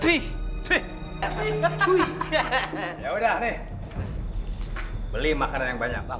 ya udah nih beli makanan yang banyak bang